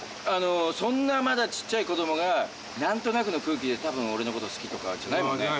そんなまだちっちゃい子供が何となくの空気でたぶん俺のこと好きとかじゃないもんね。